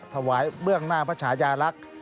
เบื้องหน้าพระชายาลักษณ์